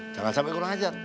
jangan sampai kurang ajar